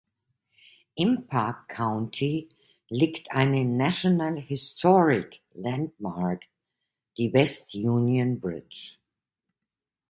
Im Parke County liegt eine National Historic Landmark, die West Union Bridge.